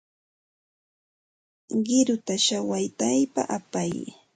Qiruta shawataypa apay.